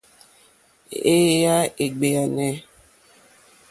Èyà é ɡbɛ̀ɛ̀nɛ̀.